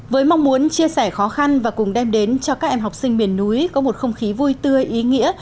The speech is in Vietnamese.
với mong muốn chia sẻ khó khăn và cùng đem đến cho các em học sinh miền núi có một không khí vui tươi ý nghĩa